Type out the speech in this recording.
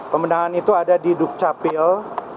pemenahan itu ada di dukcapil